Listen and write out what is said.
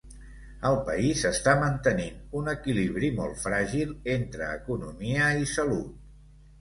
El país està mantenint un equilibri molt fràgil entre economia i salut.